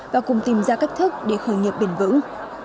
và cùng tìm ra cách thức để khởi nghiệp bền vững